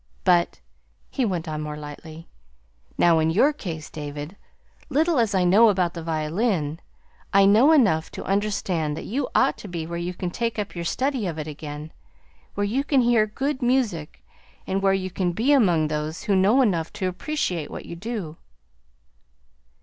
But" he went on more lightly "now, in your case, David, little as I know about the violin, I know enough to understand that you ought to be where you can take up your study of it again; where you can hear good music, and where you can be among those who know enough to appreciate what you do."